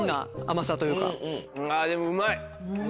あぁでもうまい！